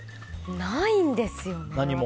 ないんですよね、私。